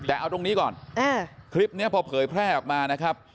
แต่เอาตรงนี้ก่อนคลิปนี้พอเผยแพร่ออกมานะครับ